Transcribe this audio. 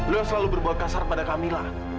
lo selalu berbual kasar pada kamila